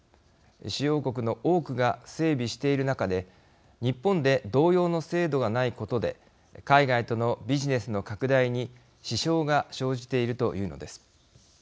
主要国の多くが整備している中で日本で同様の制度がないことで海外とのビジネスの拡大に支障が生じているというのです。